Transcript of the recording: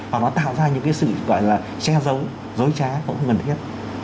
hoặc là nó tạo ra những sự che giấu dối trá cũng cần thiết